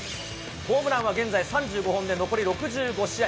ホームランは現在３５本で、残り６５試合。